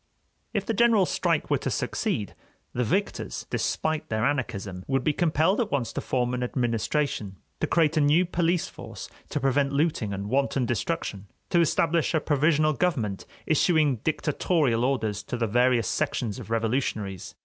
If the general strike were to succeed, the victors, despite their anarchism, would be compelled at once to form an administration, to create a new police force to prevent looting and wanton destruction, to establish a provisional government issuing dictatorial orders to the various sections of revolutionaries.